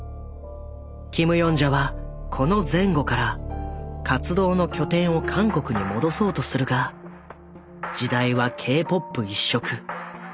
キム・ヨンジャはこの前後から活動の拠点を韓国に戻そうとするが時代はＫ−ＰＯＰ一色。